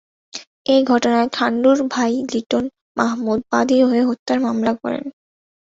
এ ঘটনায় ঠান্ডুর ভাই লিটন মাহমুদ বাদী হয়ে হত্যা মামলা করেন।